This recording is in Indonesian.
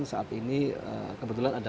saat ini kebetulan ada